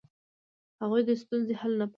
هغوی د ستونزې حل نه پاله.